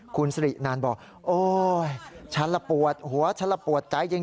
คุณสิรินันบอกโอ๊ยฉันละปวดหัวฉันละปวดใจจริง